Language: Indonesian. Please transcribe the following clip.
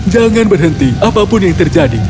jangan berhenti apapun yang terjadi